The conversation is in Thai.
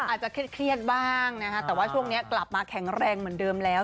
อาจจะเครียดบ้างนะคะแต่ว่าช่วงนี้กลับมาแข็งแรงเหมือนเดิมแล้ว